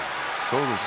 そうです。